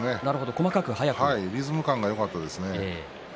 リズム感がよかったですね。